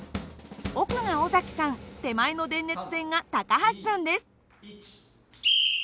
奥が尾さん手前の電熱線が高橋さんです。